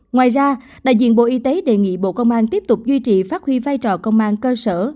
ngoài ra đại diện bộ y tế đề nghị bộ công an tiếp tục duy trì phát huy vai trò công an cơ sở